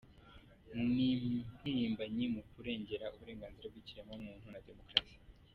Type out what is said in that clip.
Ni impirimbanyi mu kurengera uburenganzira bw’ikiremwamuntu na Demokarasi.